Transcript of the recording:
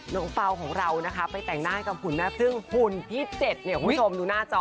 เป่าของเรานะคะไปแต่งหน้าให้กับคุณแม่พึ่งหุ่นที่๗เนี่ยคุณผู้ชมดูหน้าจอ